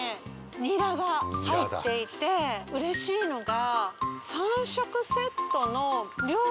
にらが入っていてうれしいのが。